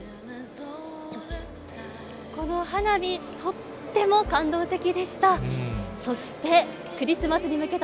この花火、とっても感動的でした。